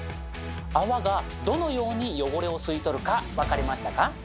泡がどのように汚れを吸い取るか分かりましたか？